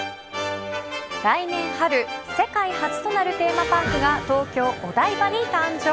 来年春、世界初となるテーマパークが東京・お台場に誕生。